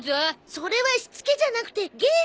それはしつけじゃなくて芸でしょう？